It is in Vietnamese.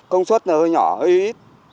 công suất là hơi nhỏ hơi ít